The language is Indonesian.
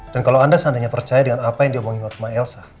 dan kalau anda seandainya percaya dengan apa yang diomongin rumah elsa